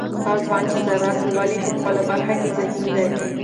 هغه ځوان چې زراعت لولي په خپله برخه کې ذهین دی.